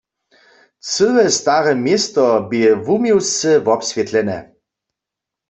Cyłe stare město bě wuměłsce wobswětlene.